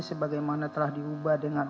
sebagaimana telah diubah dengan